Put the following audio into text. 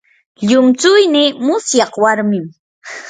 llumtsuynii musyaq warmin.